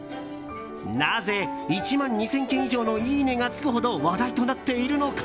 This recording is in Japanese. なぜ１万２０００件以上のいいねが付くほど話題となっているのか。